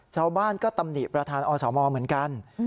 ชาวบ้านก็ตำหนิประธานอสมเหมือนกัน